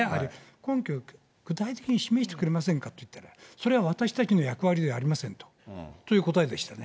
根拠、具体的に示してくれませんかって言ったら、それは私たちの役割ではありませんという答えでしたね。